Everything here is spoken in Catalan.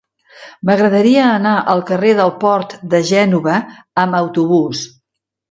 M'agradaria anar al carrer del Port de Gènova amb autobús.